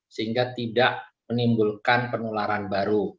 sehingga tidak menimbulkan penularan baru